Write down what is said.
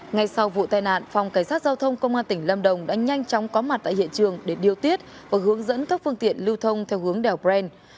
ngay sau vụ tai nạn phòng cảnh sát giao thông công an tỉnh lâm đồng đã nhanh chóng có mặt tại hiện trường để điều tiết và hướng dẫn các phương tiện lưu thông theo hướng đèo brent